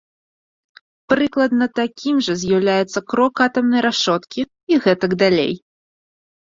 Прыкладна такім жа з'яўляецца крок атамнай рашоткі і гэтак далей.